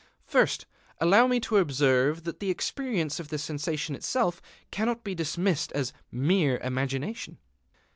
First, allow me to observe that the experience of the sensation itself cannot be dismissed as "mere imagination."